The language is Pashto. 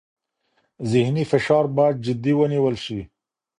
ذهني فشار باید جدي ونیول شي.